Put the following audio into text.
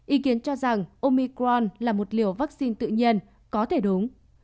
ý kiến cho rằng omicron là một liều vaccine tự nhiên có thể đúng